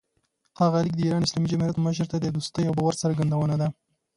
هغه لیک د ایران اسلامي جمهوریت مشر ته د دوستۍ او باور څرګندونه ده.